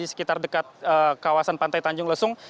di sekitar dekat kawasan pantai tanjung lesung